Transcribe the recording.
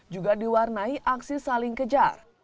juga diwarnai aksi saling kejar